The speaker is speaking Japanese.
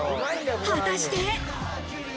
果たして。